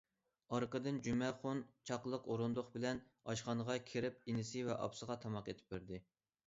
ئارقىدىن جۈمەخۇن چاقلىق ئورۇندۇق بىلەن ئاشخانىغا كىرىپ ئىنىسى ۋە ئاپىسىغا تاماق ئېتىپ بەردى.